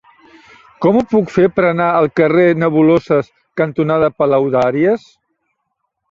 Com ho puc fer per anar al carrer Nebuloses cantonada Palaudàries?